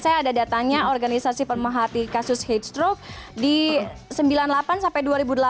saya ada datangnya organisasi pemahati kasus headstroke di sembilan puluh delapan sampai dua ribu delapan belas